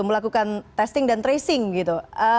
melakukan testing dan tracing gitu